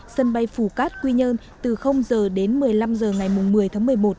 sân bay phủ cát quy nhơn từ h đến một mươi năm h ngày một mươi một mươi một